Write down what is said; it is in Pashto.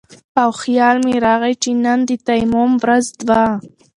او خيال مې راغے چې نن د تيمم ورځ وه